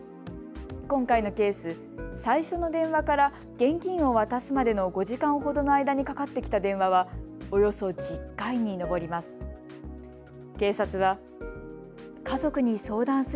今回のケース、最初の電話から現金を渡すまでの５時間ほどの間にかかってきた電話はおよそ１０回に上ります。